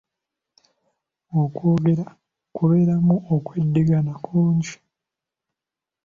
Okwogera kubeeramu okweddingana kungi.